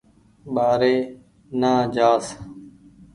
ٻآري نآ جآس